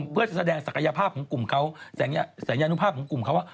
เพื่อแสดงศักยภาพของกลุ่มเขาสัญญานุภาพของกลุ่มเขาว่า